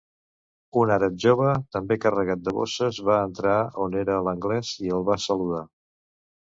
Un àrab jove, també carregat de bosses, va entrar on era l'Anglès i el va saludar.